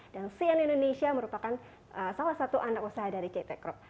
dan cn indonesia merupakan salah satu anak usaha dari ct corp